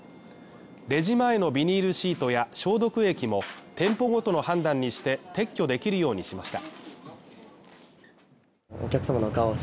レジ前のビニールシートや消毒液も店舗ごとの判断にして撤去できるようにしました。